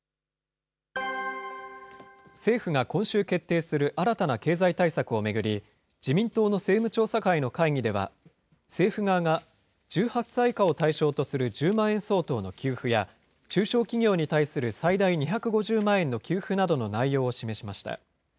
政府が今週決定する新たな経済対策を巡り、自民党の政務調査会の会議では、政府側が１８歳以下を対象とする１０万円相当の給付や、中小企業に対する最大２５０万円の給付などの内容を示しました。